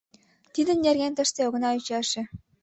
— Тидын нерген тыште огына ӱчаше...